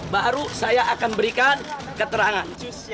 baru saya akan berikan keterangan